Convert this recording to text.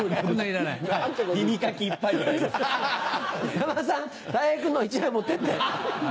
山田さんたい平君の１枚持ってって。